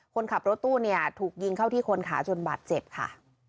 คนขับรถตู้เนี่ยถูกยิงเข้าที่คนขาจนบาดเจ็บค่ะ